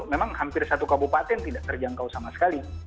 memang hampir satu kabupaten tidak terjangkau sama sekali